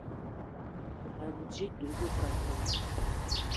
Anji dud be kateré